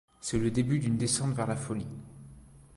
C'est le début d'une descente vers la folie.